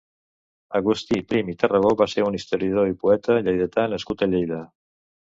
Agustí Prim i Tarragó va ser un historiador i poeta lleidatà nascut a Lleida.